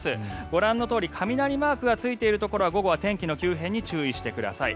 ご覧のとおり雷マークがついているところは午後は天気の急変に注意してください。